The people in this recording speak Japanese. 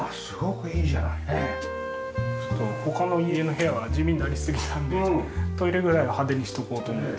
他の家の部屋は地味になりすぎたのでトイレぐらいは派手にしておこうと思って。